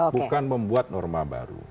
bukan membuat norma baru